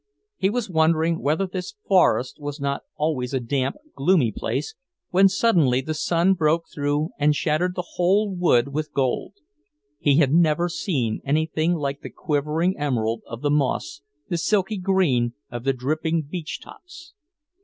He was wondering whether this forest was not always a damp, gloomy place, when suddenly the sun broke through and shattered the whole wood with gold. He had never seen anything like the quivering emerald of the moss, the silky green of the dripping beech tops.